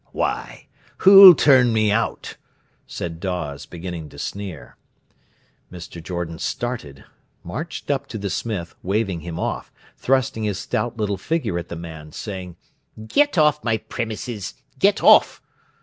"Why, who'll turn me out?" said Dawes, beginning to sneer. Mr. Jordan started, marched up to the smith, waving him off, thrusting his stout little figure at the man, saying: "Get off my premises—get off!"